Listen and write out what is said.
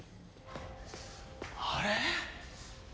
あれ？